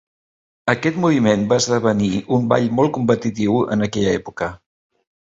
Aquest moviment va esdevenir un ball molt competitiu en aquella època.